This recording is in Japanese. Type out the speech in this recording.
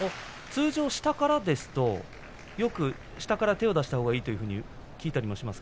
通常、下からですとよく下から手を出したほうがいいというふうに聞きます。